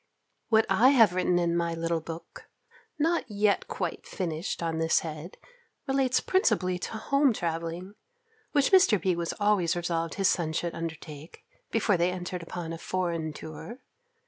What I have written in my little book, not yet quite finished on this head, relates principally to Home Travelling, which Mr. B. was always resolved his sons should undertake, before they entered upon a foreign tour.